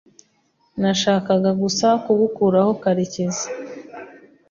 Nashakaga gusa gukurura Karekezi.